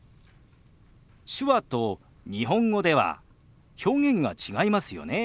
手話と日本語では表現が違いますよね。